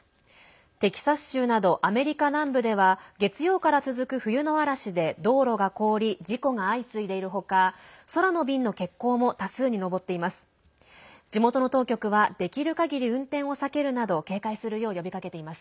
テキサス州などアメリカ南部では月曜から続く冬の嵐で道路が凍り事故が相次いでいる他空の便の欠航も多数に上っています。